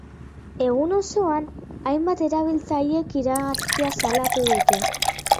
Egun osoan, hainbat erabiltzailek iragarkia salatu dute.